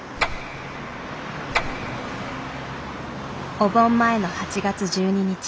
お盆前の８月１２日。